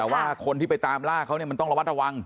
แต่ว่าคนที่ไปตามล่าเขามันต้องระมัดระวัง